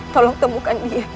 tolong temukan dia